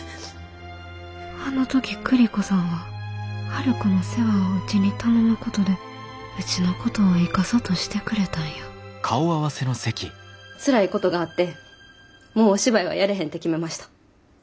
あの時栗子さんは春子の世話をうちに頼むことでうちのことを生かそとしてくれたんやつらいことがあってもうお芝居はやれへんて決めました。